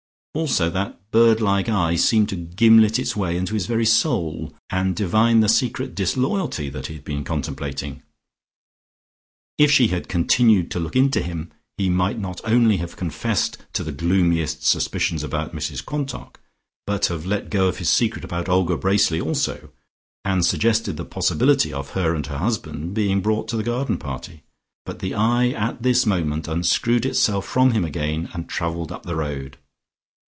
Also that bird like eye seemed to gimlet its way into his very soul, and divine the secret disloyalty that he had been contemplating. If she had continued to look into him, he might not only have confessed to the gloomiest suspicions about Mrs Quantock, but have let go of his secret about Olga Bracely also, and suggested the possibility of her and her husband being brought to the garden party. But the eye at this moment unscrewed itself from him again and travelled up the road.